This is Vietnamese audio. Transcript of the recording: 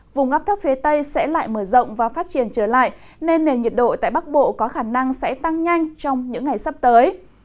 vùng ngắp thấp phía tây sẽ lại mở rộng và phát triển trở lại nên nền nhiệt độ tại bắc bộ có khả năng sẽ tăng nhanh trong những ngày sắp tới